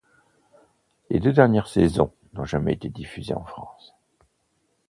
Les deux dernières saisons n'ont jamais été diffusées en France.